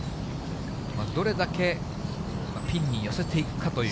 どれだけピンに寄せていくかという。